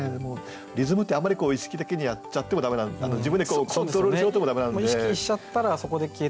リズムってあんまり意識的にやっちゃっても駄目自分でコントロールしようと思っても駄目なんで。